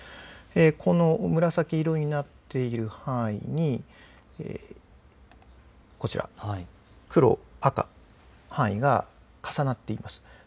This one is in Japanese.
この紫色になっている範囲にこちら黒、赤の範囲が重なっています。